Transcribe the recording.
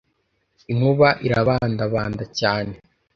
inkuba irabandabanda cyane